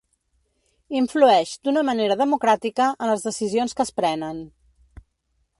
Influeix, d’una manera democràtica, en les decisions que es prenen.